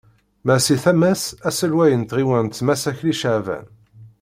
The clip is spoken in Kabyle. Ma si tama-s, aselway n tɣiwant Mass Akli Caɛban.